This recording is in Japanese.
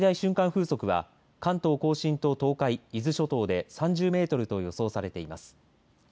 風速は関東甲信と東海伊豆諸島で３０メートルと予想されています。